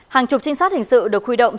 hàng chục trinh sát hình sự được khuy động